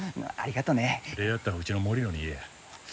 礼やったらうちの森野に言えや。